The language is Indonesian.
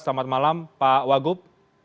selamat malam pak wagup